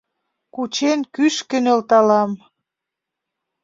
Кучен, кӱшкӧ нӧлталам